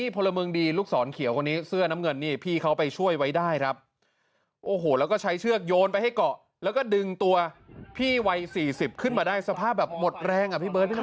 พี่วัย๔๐ขึ้นมาได้สภาพแบบหมดแรงอ่ะพี่เบิร์ทพี่ต้องแข็งนะ